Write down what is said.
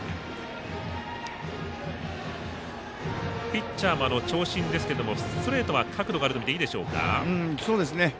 ピッチャーも長身ですけれどもストレートは角度があるとみていいでしょうか。